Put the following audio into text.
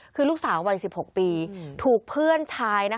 คือลูกสาววัย๑๖ปีถูกเพื่อนชาย